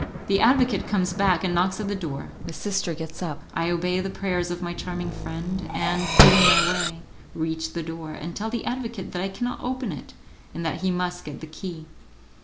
The advocate comes back and knocks at the door; the sister gets up, I obey the prayers of my charming friend, and, feeling my way, reach the door, and tell the advocate that I cannot open it, and that he must get the key.